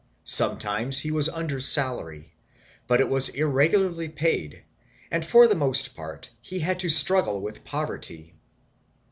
Sometimes he was under salary, but it was irregularly paid and for the most part he had to struggle with poverty.